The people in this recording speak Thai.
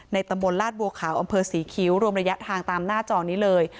ตำบลลาดบัวขาวอำเภอศรีคิ้วรวมระยะทางตามหน้าจอนี้เลย